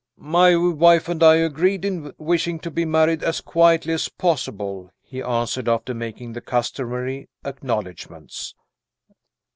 "My wife and I agreed in wishing to be married as quietly as possible," he answered, after making the customary acknowledgments.